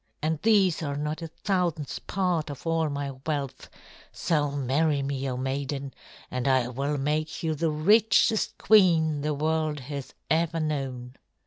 And these are not a thousandth part of all my wealth; so marry me, O Maiden, and I will make you the richest queen the world has ever known."